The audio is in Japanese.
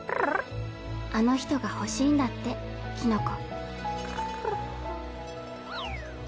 あの人が欲しいんだってキノコ。